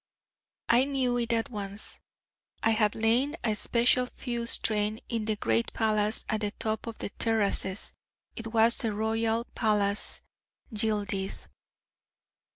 I knew it at once: I had lain a special fuse train in the great palace at the top of the terraces: it was the royal palace, Yildiz.